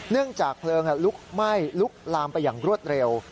จากเพลิงลุกไหม้ลุกลามไปอย่างรวดเร็ว